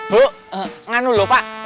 bu mbak dulu pak